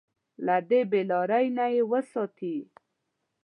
له دې بې لارۍ نه يې وساتي.